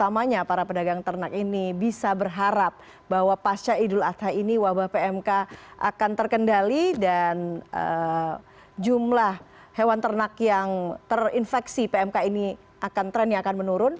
utamanya para pedagang ternak ini bisa berharap bahwa pasca idul adha ini wabah pmk akan terkendali dan jumlah hewan ternak yang terinfeksi pmk ini akan trennya akan menurun